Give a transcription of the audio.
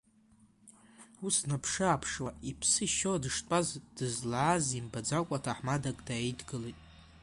Ус днаԥшы-ааԥшуа иԥсы шьо дыштәаз дызлааз имбаӡакәа ҭаҳмадак дааидгылеит.